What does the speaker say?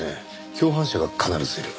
共犯者が必ずいる。